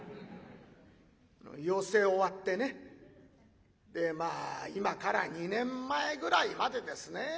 寄席終わってねでまあ今から２年前ぐらいまでですね。